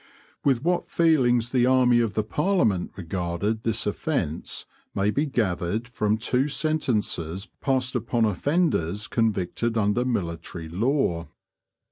With what feelings the army of the Parliament regarded this offence may be gathered from two sentences passed upon offenders convicted under military law.